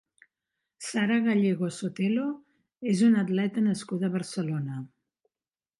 Sara Gallego Sotelo és una atleta nascuda a Barcelona.